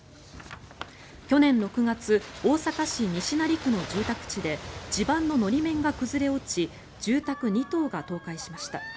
去年６月大阪市西成区の住宅地で地盤の法面が崩れ落ち住宅２棟が倒壊しました。